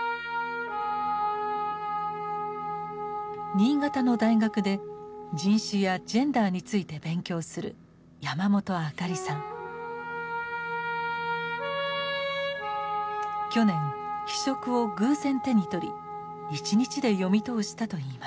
新潟の大学で人種やジェンダーについて勉強する去年「非色」を偶然手に取り一日で読み通したといいます。